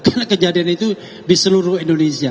karena kejadian itu di seluruh indonesia